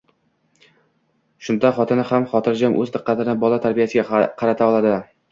shunda xotini ham xotirjam o‘z diqqatini bola tarbiyasiga qarata oladi.